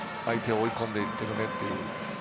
相手を追い込んでいっているねって。